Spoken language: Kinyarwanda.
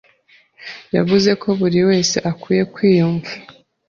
yavuze ko buri wese akwiye kwiyumva